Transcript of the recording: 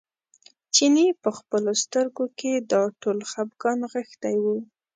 چیني په خپلو سترګو کې دا ټول خپګان نغښتی و.